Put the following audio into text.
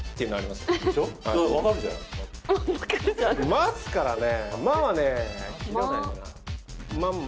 まですからね。